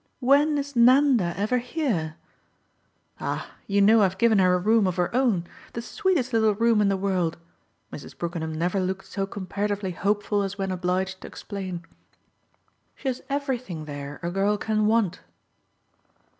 "When is Nanda ever here?" "Ah you know I've given her a room of her own the sweetest little room in the world." Mrs. Brookenham never looked so comparatively hopeful as when obliged to explain. "She has everything there a girl can want."